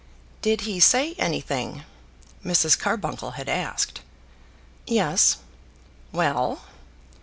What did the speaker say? "Did he say anything?" Mrs. Carbuncle had asked. "Yes." "Well?"